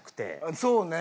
そうね。